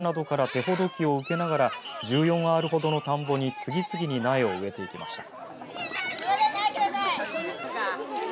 ありましたが地元の農家などから手ほどきを受けながら１４アールほどの田んぼに次々に苗を植えていきました。